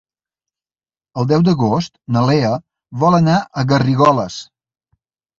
El deu d'agost na Lea vol anar a Garrigoles.